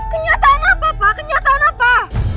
kenyataan apa pak kenyataan apa